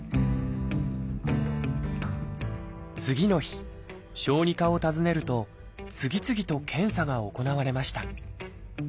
次の日小児科を訪ねると次々と検査が行われました。